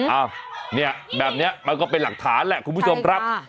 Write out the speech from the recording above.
อ้าวเนี่ยแบบนี้มันก็เป็นหลักฐานแหละคุณผู้ชมครับ